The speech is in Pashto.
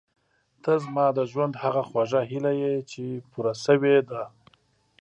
ته زما د ژوند هغه خوږه هیله یې چې پوره شوې ده.